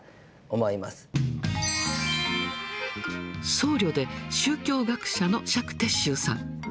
僧侶で宗教学者の釈徹宗さん。